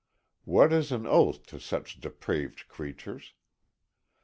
What is an oath to such depraved creatures?